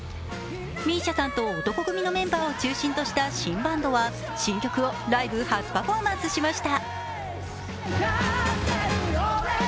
ＭＩＳＩＡさんと男闘呼組のメンバーを中心とした新バンドは新曲をライブ初パフォーマンスしました。